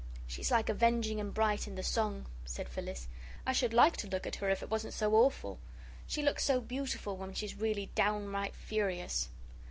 "She's like Avenging and Bright in the song," said Phyllis. "I should like to look at her if it wasn't so awful. She looks so beautiful when she's really downright furious."